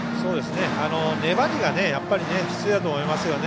粘りが必要だと思いますね。